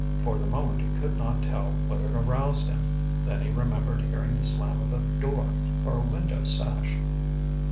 For the moment he could not tell what had aroused him. Then he remembered hearing the slam of a door or a window sash.